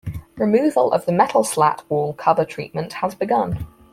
Removal of the metal slat wall cover treatment has begun.